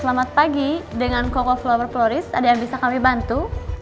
selamat pagi dengan coca flower florice ada yang bisa kami bantu